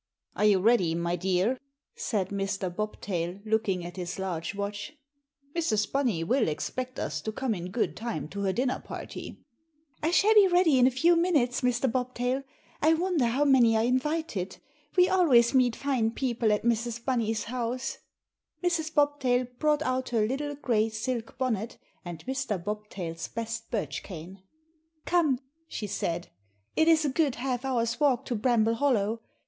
"Are you ready, my dear?" said Mr. Bobtail, looking at his large watch. "Mrs. Bunny will expect us to come in good time to her dinner party." "I shall be ready in a few minutes, Mr. Bobtail. I wonder how many are invited. We always meet fine people at Mrs. Bunny's house." Mrs. Bobtail brought out her little gray silk bonnet, and Mr. Bobtail's best birch cane. "Come," she said, "it is a good half hour's walk to Bramble Hollow.